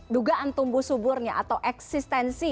dugaan tumbuh suburnya atau eksistensi